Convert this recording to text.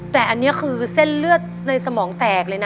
แต่อันนี้คือเส้นเลือดในสมองแตกเลยนะ